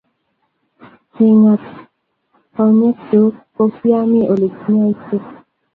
Kingat at konyekchu ko kiami Ole kinyoise